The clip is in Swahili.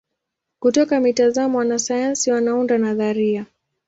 Kutoka mitazamo wanasayansi wanaunda nadharia.